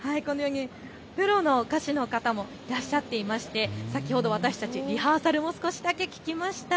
プロの歌手の方もいらっしゃっていまして先ほど私たち、リハーサルも少しだけ聞きました。